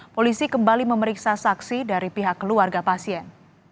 polisi kembali memeriksa saksi dari pihak keluarga pasien